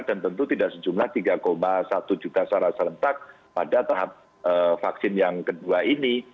dan tentu tidak sejumlah tiga satu juta saran serentak pada tahap vaksin yang kedua ini